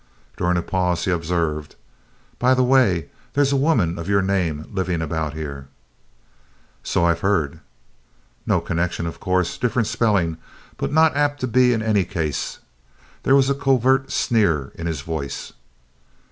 During a pause he observed: "By the way, there's a woman of your name living about here." "So I've heard." "No connection, of course different spelling, but not apt to be in any case." There was a covert sneer in his voice.